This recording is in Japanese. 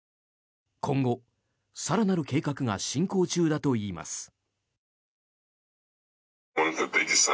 今後、更なる計画が進行中だといいます。